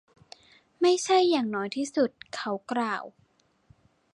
ไม่ใช่อย่างน้อยที่สุด. เขากล่าว